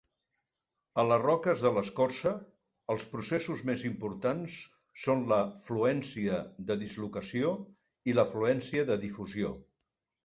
A les roques de l'escorça, els processos més importants són la fluència de dislocació i la fluència de difusió.